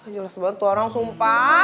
jelas banget tuh orang sumpah